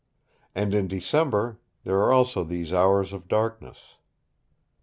And in December there are also these hours of darkness.